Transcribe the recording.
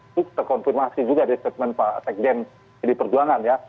itu terkonfirmasi juga di segmen pak tekjen pd perjuangan ya